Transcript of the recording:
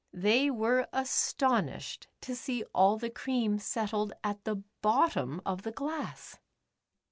They were aston ished to see all the cream settled at the bottom of the glass.